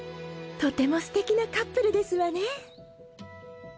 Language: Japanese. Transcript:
とてもすてきなカップルですわね。